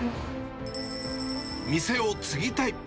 店を継ぎたい。